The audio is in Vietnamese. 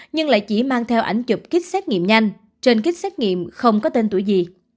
nhưng lại chỉ mang theo ảnh chụp kích xét nghiệm nhanh trên kích xét nghiệm không có tên tuổi gì